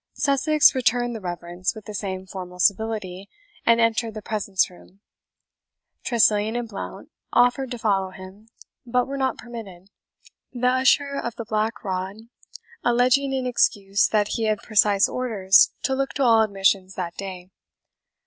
Sussex returned the reverence with the same formal civility, and entered the presence room. Tressilian and Blount offered to follow him, but were not permitted, the Usher of the Black Rod alleging in excuse that he had precise orders to look to all admissions that day.